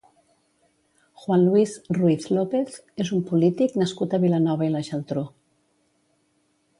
Juan Luis Ruiz López és un polític nascut a Vilanova i la Geltrú.